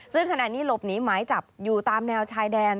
ซึ่งขณะนี้หลบหนีหมายจับอยู่ตามแนวชายแดน